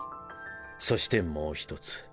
そしてもう１つ